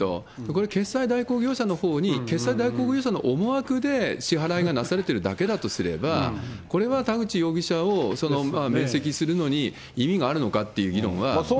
これ決済代行業者のほうに、決済代行業者の思惑で支払いがなされているだけだとすれば、これは田口容疑者を免責するのに意味があるのかっていう議論は。